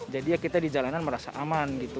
jadi ya kita di jalanan merasa aman gitu